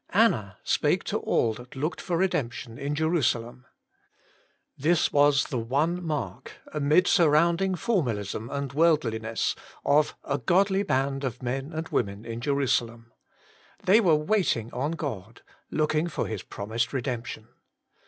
Anna spake to all that looked for redemption in Jerusalem. This was the one mark, amid sur roimding formalism and worldliness, of a godly band of men and women id Jerusalem. They WAITING ON GODI 127 were waiting on God ; looking for His promised redemption.